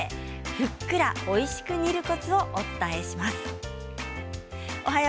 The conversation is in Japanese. ふっくらおいしく煮るコツをお伝えします。